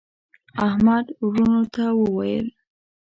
احمد وروڼو ته وویل: